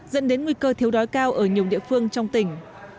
dẫn đến nguy cơ thiếu đói cao ở nhiều địa phương trong tỉnh